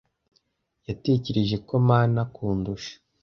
yatekereje ko mana kundusha